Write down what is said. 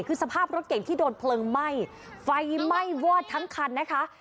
คือสภาพรถเก่งที่โดนเพลิงไหม้ไฟไหม้วอดทั้งคันนะคะ